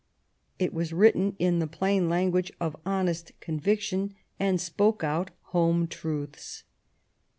It was written in the plain language of honest con viction, and spoke out home truths.